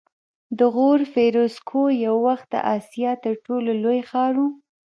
د غور فیروزکوه یو وخت د اسیا تر ټولو لوړ ښار و